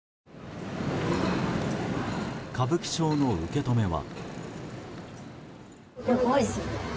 歌舞伎町の受け止めは。